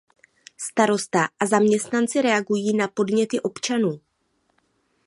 Starosta a zaměstnanci reagují na podněty občanů.